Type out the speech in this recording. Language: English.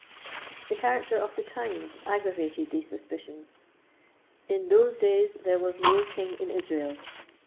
The character of the times aggravated these suspicions. "In those days there was no king in Israel."